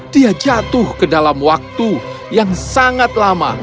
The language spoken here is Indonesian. dia jatuh ke dalam waktu yang sangat lama